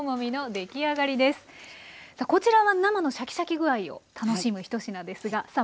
こちらは生のシャキシャキ具合を楽しむひと品ですがさあ